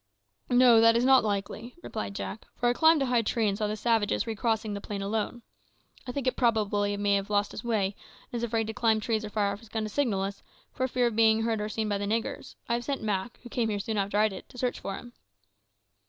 "No, that is not likely," replied Jack; "for I climbed a high tree and saw the savages recrossing the plain alone. I think it probable he may have lost his way, and is afraid to climb trees or to fire off his gun to signal us, for fear of being heard or seen by the niggers. I have sent Mak, who came here soon after I did, to search for him."